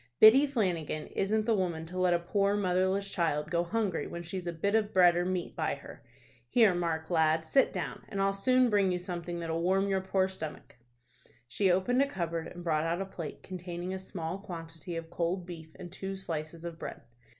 "Biddy Flanagan isn't the woman to let a poor motherless child go hungry when she's a bit of bread or meat by her. Here, Mark, lad, sit down, and I'll soon bring you something that'll warm up your poor stomach." She opened a cupboard, and brought out a plate containing a small quantity of cold beef, and two slices of bread.